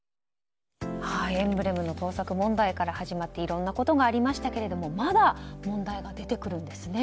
エンブレムの盗作問題から始まっていろんなことがありましたがまだ問題が出てくるんですね。